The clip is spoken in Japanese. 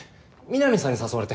南さんに誘われて。